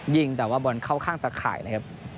ยิงแต่ว่าบอลเข้าข้างตะข่ายนะครับ